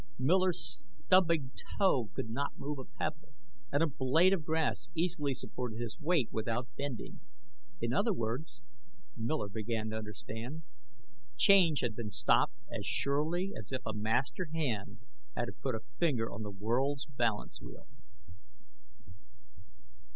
Miller's stubbing toe could not move a pebble, and a blade of grass easily supported his weight without bending. In other words, Miller began to understand, change had been stopped as surely as if a master hand had put a finger on the world's balance wheel.